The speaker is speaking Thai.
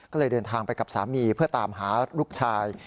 ก็เลยเดินทางไปกับสามีเพื่อตามหาลูกชาย